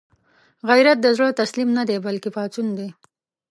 غیرت د زړه تسلیم نه دی، بلکې پاڅون دی